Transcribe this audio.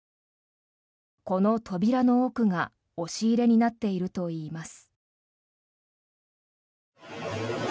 この扉の奥が押し入れになっているといいます。